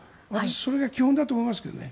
それが基本だと思いますけどね。